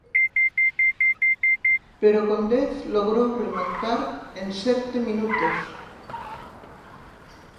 Pero con dez logrou remontar en serte minutos.